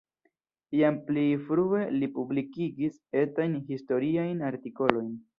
Jam pli frue li publikigis etajn historiajn artikolojn.